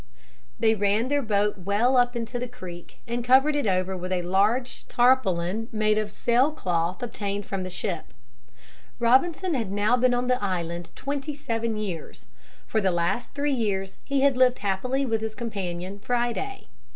They ran their boat well up into the creek and covered it over with a large tarpaulin made of sail cloth obtained from the ship. Robinson had now been on the island twenty seven years. For the last three years he had lived happily with his companion Friday.